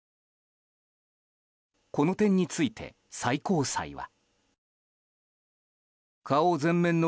この点について最高裁は。